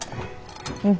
うん。